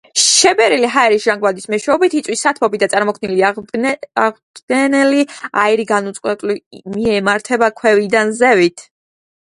შებერილი ჰაერის ჟანგბადის მეშვეობით იწვის სათბობი და წარმოქმნილი აღმდგენელი აირი განუწყვეტლივ მიემართება ქვევიდან ზევით.